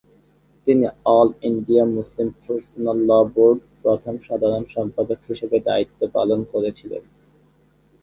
তিনি all India Muslim personal law board প্রথম সাধারণ সম্পাদক হিসাবে দায়িত্ব পালন করেছিলেন।